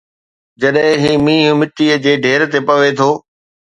جڏهن هي مينهن مٽيءَ جي ڍير تي پوي ٿو